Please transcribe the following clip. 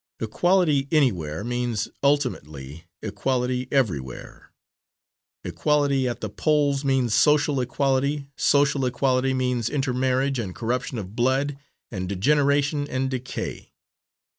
Equality anywhere, means ultimately, equality everywhere. Equality at the polls means social equality; social equality means intermarriage and corruption of blood, and degeneration and decay.